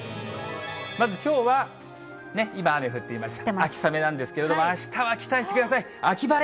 まずきょうは、今雨降ってます、秋雨なんですけれども、あしたは期待してくださ秋晴れ。